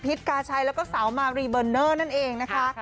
กาชัยแล้วก็สาวมารีเบอร์เนอร์นั่นเองนะคะ